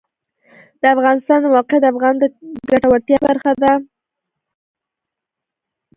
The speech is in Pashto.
د افغانستان د موقعیت د افغانانو د ګټورتیا برخه ده.